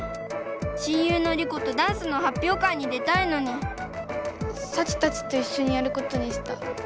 親友のリコとダンスのはっぴょう会に出たいのにサチたちといっしょにやることにした。